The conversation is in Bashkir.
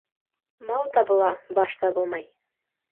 Мал табыла, баш табылмай.